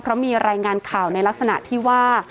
เพราะมีรายงานข่าวในลักษณะที่ว่า